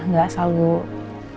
nggak selalu keadaan